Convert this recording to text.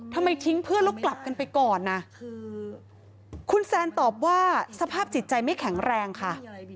ทิ้งเพื่อนแล้วกลับกันไปก่อนนะคือคุณแซนตอบว่าสภาพจิตใจไม่แข็งแรงค่ะ